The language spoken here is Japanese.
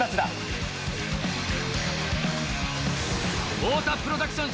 太田プロダクション